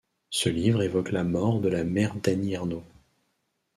Ce livre évoque la mort de la mère d'Annie Ernaux.